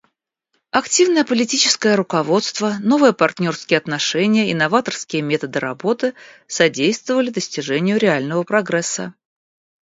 Активное политическое руководство, новые партнерские отношения и новаторские методы работы содействовали достижению реального прогресса.